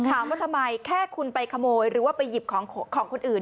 ถามว่าทำไมแค่คุณไปขโมยหรือว่าไปหยิบของคนอื่น